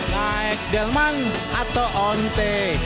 naik delman atau onte